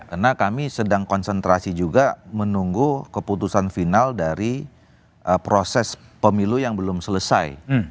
karena kami sedang konsentrasi juga menunggu keputusan final dari proses pemilu yang belum selesai